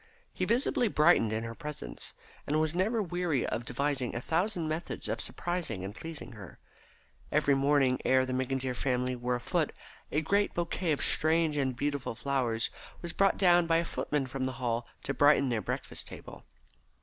He visibly brightened in her presence, and was never weary of devising a thousand methods of surprising and pleasing her. Every morning ere the McIntyre family were afoot a great bouquet of strange and beautiful flowers was brought down by a footman from the Hall to brighten their breakfast table.